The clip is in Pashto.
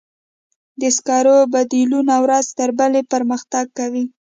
د سکرو بدیلونه ورځ تر بلې پرمختګ کوي.